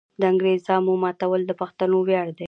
د انګریزامو ماتول د پښتنو ویاړ دی.